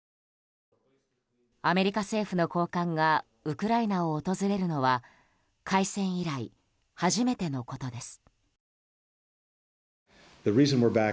アメリカ政府の高官がウクライナを訪れるのは開戦以来初めてのことです。